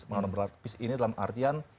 mengandung berlapis ini dalam artian